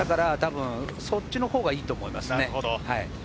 そっちのほうがいいと思います。